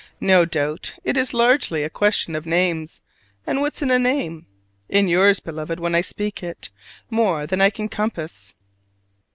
No doubt it is largely a question of names; and what's in a name? In yours, Beloved, when I speak it, more than I can compass!